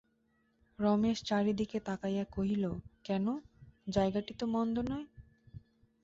রমেশ চারি দিকে তাকাইয়া কহিল, কেন, জায়গাটি তো মন্দ নয়।